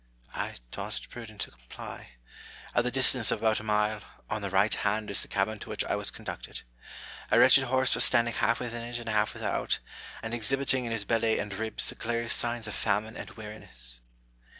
I thought it prudent to comply. At the distance of about a mile, on the right hand, is the cabin to which I was con ducted. A wretched horse was standing half within it and half without, and exhibiting in his belly and ribs the clearest signs of famine and weariness.